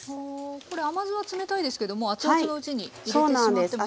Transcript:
これ甘酢は冷たいですけども熱々のうちに入れてしまってもいいんですね？